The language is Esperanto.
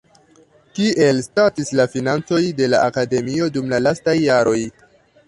Kiel statis la financoj de la Akademio dum la lastaj jaroj?